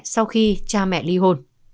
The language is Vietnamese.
sau khi cha mẹ ly hôn